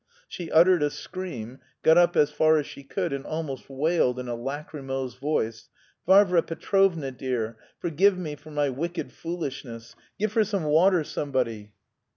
She uttered a scream, got up as far as she could and almost wailed in a lachrymose voice: "Varvara Petrovna, dear, forgive me for my wicked foolishness! Give her some water, somebody."